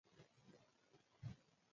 سولې ته د ګواښ په وخت کې عملي اقدام کیږي.